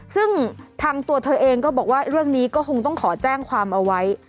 ซึ่งทางตัวเธอเองก็บอกว่าเรื่องนี้ก็คงต้องขอแจ้งความเอาไว้